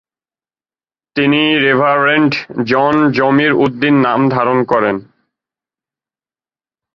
তিনি reverend John Jamir Uddin নাম ধারণ করেন।